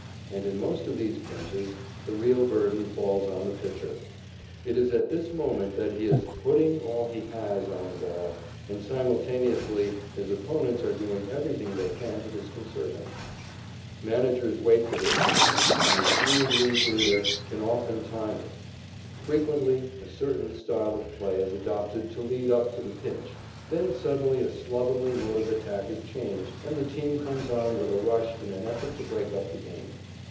And in most of these pinches, the real burden falls on the pitcher. It is at this moment that he is "putting all he has" on the ball, and simultaneously his opponents are doing everything they can to disconcert him. Managers wait for this break, and the shrewd league leader can often time it. Frequently a certain style of play is adopted to lead up to the pinch, then suddenly a slovenly mode of attack is changed, and the team comes on with a rush in an effort to break up the game.